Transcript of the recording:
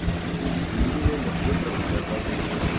زندگی میں مثبت طرف رہتا ہوں